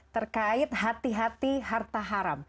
terkait hati hati harta haram